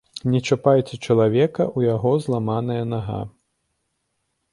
Не чапайце чалавека, у яго зламаная нага!